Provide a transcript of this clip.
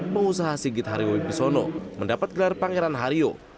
pengusaha sigit hario wibisono mendapat gelar pangeran hario